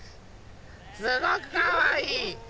すごくかわいい。